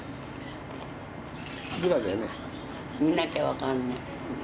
見なきゃ分かんない。